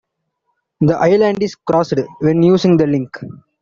The island is crossed when using the link.